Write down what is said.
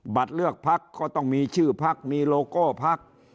บัตรเลือกพักก็ต้องมีชื่อพักมีโลโก้พัก